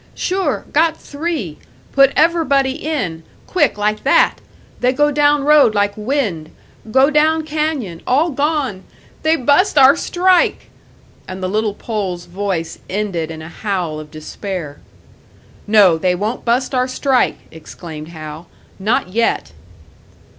"Sure, got three! Put ever'body in, quick like that they go down road like wind! Go down canyon, all gone! They bust our strike!" And the little Pole's voice ended in a howl of despair. "No, they won't bust our strike!" exclaimed Hal. "Not yet!"